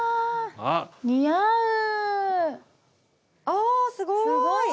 あすごい！